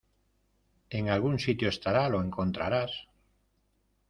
En algún sitio estará. Lo encontrarás .